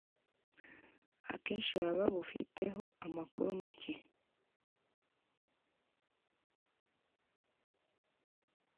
akenshi baba babufiteho amakuru make.